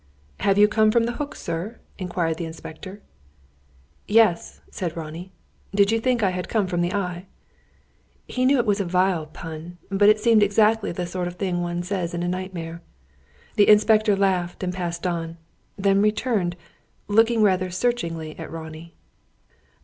"Have you come from the Hook, sir?" inquired the inspector. "Yes," said Ronnie. "Did you think I had come from the Eye?" He knew it was a vile pun, but it seemed exactly the sort of thing one says in a nightmare. The inspector laughed, and passed on; then returned, looking rather searchingly at Ronnie.